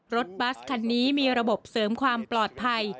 รถบัสคันนี้มีระบบเสริมความปลอดภัย